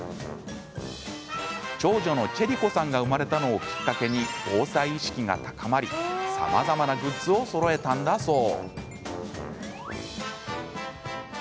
長女のチェリ子さんが生まれたのをきっかけに防災意識が高まりさまざまなグッズをそろえたんだそう。